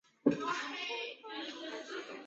今天的日本民族主义情绪在升温。